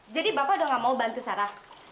jadi bapak udah gak mau bantu sarah